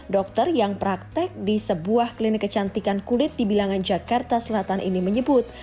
dokter yang praktek di sebuah klinik kecantikan kulit di bilangan jakarta selatan ini menyebut